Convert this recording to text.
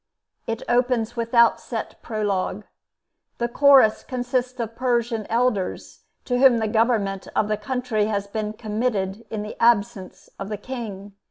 It opens without set prologue. The Chorus consists of Persian elders, to whom the government of the country has been committed in the absence of the King.